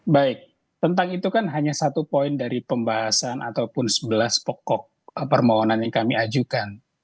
baik tentang itu kan hanya satu poin dari pembahasan ataupun sebelas pokok permohonan yang kami ajukan